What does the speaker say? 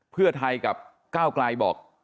เพื่อไทยกับก้าวไกลบอก